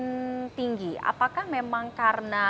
oke tapi makin kesini mungkin awareness orang terhadap kesehatan mental itu